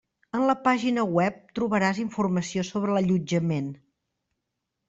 En la pàgina web trobaràs informació sobre l'allotjament.